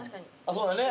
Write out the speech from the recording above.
そうだね。